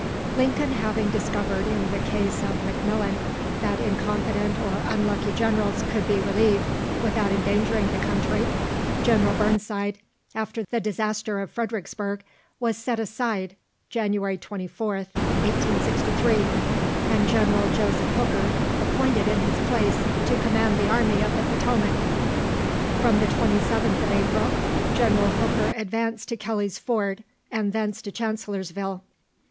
Lincoln having discovered in the case of M'Clellan that incompetent or unlucky generals could be "relieved" without endangering the country, General Burnside, after the disaster of Fredericksburg, was set aside (January 24th, 1863), and General Joseph Hooker appointed in his place to command the army of the Potomac. From the 27th of April, General Hooker advanced to Kelly's Ford, and thence to Chancellorsville.